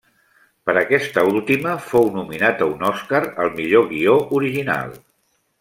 Per aquesta última, fou nominat a un Oscar al millor guió original.